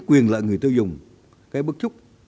quyền lợi người tiêu dùng cái bức chúc